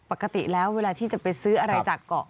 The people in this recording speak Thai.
ปกติแล้วเวลาที่จะไปซื้ออะไรจากเกาะ